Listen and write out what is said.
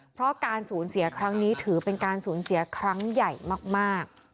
เพราะการสูญเสียครั้งนี้ถือเป็นการสูญเสียครั้งใหญ่มาก